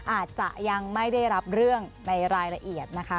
อาจจะยังไม่ได้รับเรื่องในรายละเอียดนะคะ